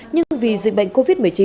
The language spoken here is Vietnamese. nhưng vì dịch bệnh covid một mươi chín